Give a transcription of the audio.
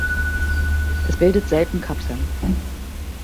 Es bildet selten Kapseln.